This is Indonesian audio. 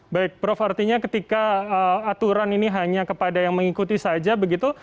baik prof artinya ketika aturan ini hanya kepada yang mengikuti saja begitu